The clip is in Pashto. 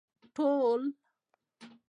ټول